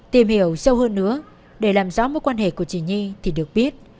tìm hiểu sâu hơn nữa để làm rõ mối quan hệ của chị nhi thì được biết